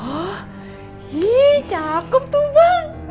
oh ii cakep tuh bang